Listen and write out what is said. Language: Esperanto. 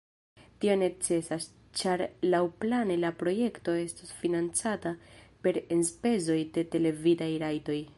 Tio necesas, ĉar laŭplane la projekto estos financata per enspezoj de televidaj rajtoj.